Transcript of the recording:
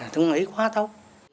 tôi nghĩ quá thấu